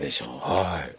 はい。